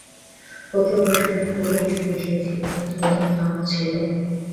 ওকে অনুসরণ করে এখানে এসেছি, কিন্তু এটা ফাঁদ ছিল।